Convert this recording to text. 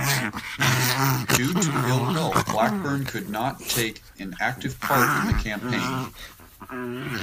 Due to ill health, Blackburn could not take an active part in the campaign.